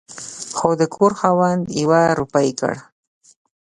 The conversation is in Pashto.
خو د کور خاوند يوه روپۍ کړ